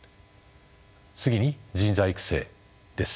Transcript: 次に人材育成です。